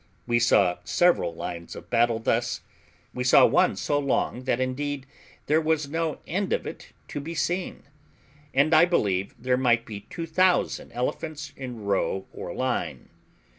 We saw several lines of battle thus; we saw one so long that indeed there was no end of it to be seen, and I believe there might be 2000 elephants in row or line.